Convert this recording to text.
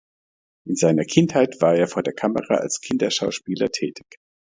In seiner Kindheit war er vor der Kamera als Kinderschauspieler tätig.